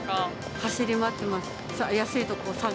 走り回ってます。